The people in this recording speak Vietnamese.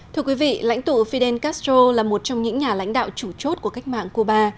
thưa quý vị lãnh tụ fidel castro là một trong những nhà lãnh đạo chủ chốt của cách mạng cuba